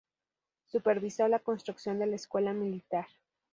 Supervisó la construcción de la Escuela Militar.